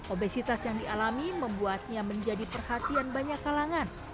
obesitas yang dialami membuatnya menjadi perhatian banyak kalangan